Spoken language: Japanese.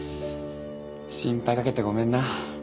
心配かけてごめんな。